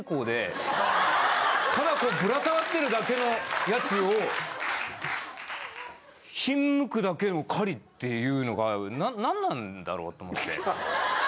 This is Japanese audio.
ただぶら下がってるだけのやつをひんむくだけの狩りっていうのがなんなんだろうと思って。